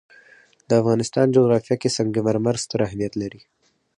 د افغانستان جغرافیه کې سنگ مرمر ستر اهمیت لري.